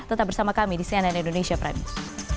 tetap bersama kami di cnn indonesia prime news